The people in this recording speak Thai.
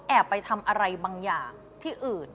ไปทำอะไรบางอย่างที่อื่น